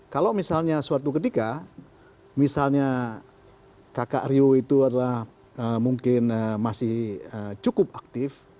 kalau misalnya suatu ketika misalnya kakak rio itu adalah mungkin masih cukup aktif